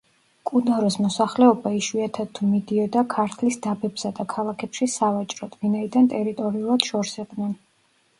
კუდაროს მოსახლეობა იშვიათად თუ მიდიოდა ქართლის დაბებსა და ქალაქებში სავაჭროდ, ვინაიდან ტერიტორიულად შორს იყვნენ.